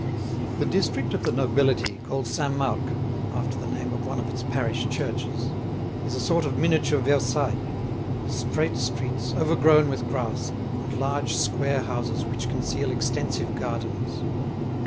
The district of the nobility, called Saint Marc, after the name of one of its parish churches, is a sort of miniature Versailles, with straight streets overgrown with grass, and large square houses which conceal extensive gardens.